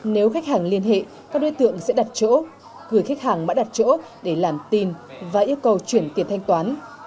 nếu khách hàng liên hệ các đối tượng sẽ đặt chỗ gửi khách hàng mã đặt chỗ để làm tin và yêu cầu chuyển tiền thanh toán